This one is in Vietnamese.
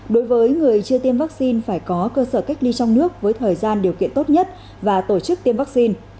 đối với người chưa tiêm vaccine phải có cơ sở cách ly trong nước với thời gian điều kiện tốt nhất và tổ chức tiêm vaccine